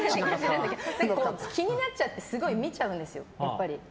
気になっちゃってすごい見ちゃうんですよ。